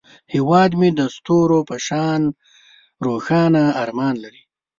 هیواد مې د ستورو په شان روښانه ارمان لري